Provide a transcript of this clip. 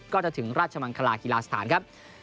ก็จะถึงราชมังคลาฮีลาสถานครับ